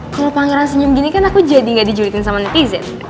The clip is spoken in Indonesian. kalau pangeran senyum gini kan aku jadi gak dijulitin sama netizen